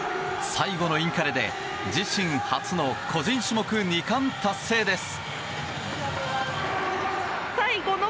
最後のインカレで自身初の個人種目２冠達成です。